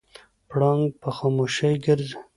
پړانګ په خاموشۍ ګرځي.